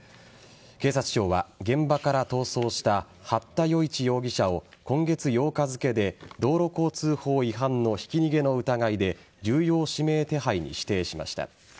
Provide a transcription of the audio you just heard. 警察庁は現場から逃走した八田与一容疑者を今月８日付で道路交通法違反のひき逃げの疑いで重要指名手配に指定しました。